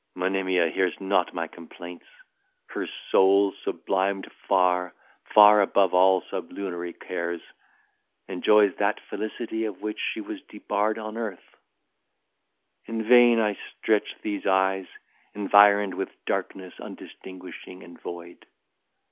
Monimia hears not my complaints; her soul, sublimed far, far above all sublunary cares, enjoys that felicity of which she was debarred on earth. In vain I stretch these eyes, environed with darkness undistinguishing and void.